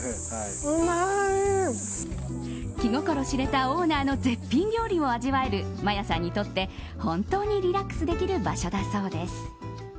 気心知れたオーナーの絶品料理を味わえるマヤさんにとって本当にリラックスできる場所だそうです。